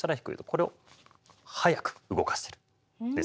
これを速く動かせるですね。